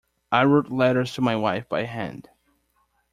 I wrote letters to my wife by hand.